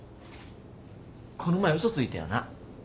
この前嘘ついたよな？